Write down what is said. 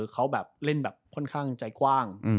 เขาแบบเล่นแบบค่อนข้างใจกว้าง